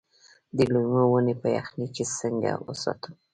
د لیمو ونې په یخنۍ کې څنګه وساتم؟